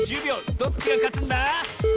どっちがかつんだ？